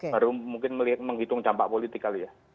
baru mungkin menghitung dampak politik kali ya